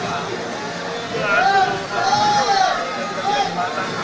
kita akan menikmati